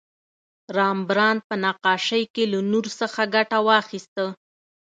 رامبراند په نقاشۍ کې له نور څخه ګټه واخیسته.